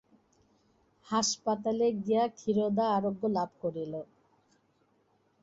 হাসপাতালে গিয়া ক্ষীরোদা আরোগ্য লাভ করিল।